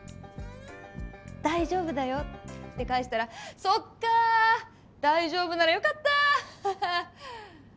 大丈夫だよ」って返したら「そっか大丈夫ならよかった！」。